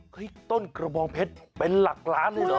เฮ้ยต้นกระบองเพชรเป็นหลักล้านหรือเปล่า